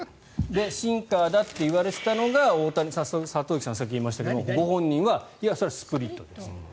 シンカーだっていわれてたのが里崎さんがさっき言ってましたがご本人はいや、それはスプリットですと。